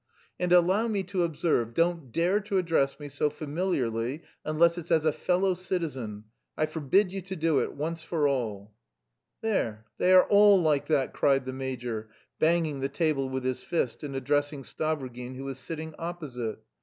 And allow me to observe, don't dare to address me so familiarly, unless it's as a fellow citizen. I forbid you to do it, once for all." "There, they are all like that!" cried the major, banging the table with his fist and addressing Stavrogin, who was sitting opposite.